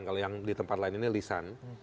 kalau yang di tempat lain ini lisan